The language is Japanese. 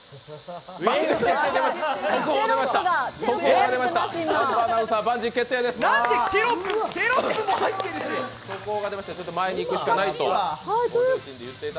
速報が出ました。